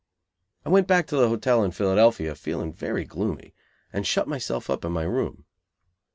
I went back to the hotel in Philadelphia, feeling very gloomy, and shut myself up in my room.